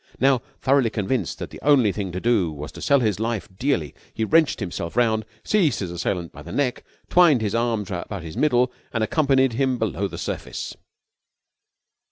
Now thoroughly convinced that the only thing to do was to sell his life dearly he wrenched himself round, seized his assailant by the neck, twined his arms about his middle, and accompanied him below the surface.